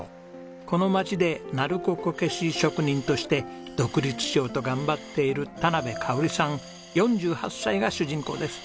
この町で鳴子こけし職人として独立しようと頑張っている田香さん４８歳が主人公です。